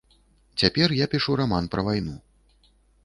Цяпер я пішу раман пра вайну.